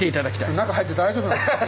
それ中入って大丈夫なんですか？